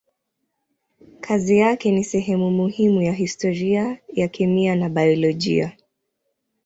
Kazi yake ni sehemu muhimu ya historia ya kemia na biolojia.